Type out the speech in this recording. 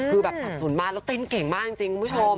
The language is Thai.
คือแบบสับสนมากแล้วเต้นเก่งมากจริงคุณผู้ชม